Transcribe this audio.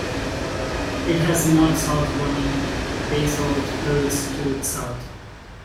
It has north-south running basalt hills to its south.